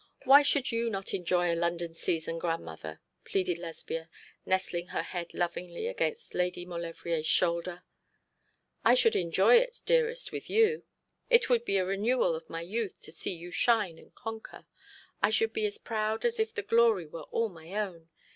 Why should you not enjoy a London season, grandmother?' pleaded Lesbia, nestling her head lovingly against Lady Maulevrier's shoulder. 'I should enjoy it, dearest, with you. It would be a renewal of my youth to see you shine and conquer. I should be as proud as if the glory were all my own.